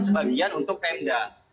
sebagian untuk pmda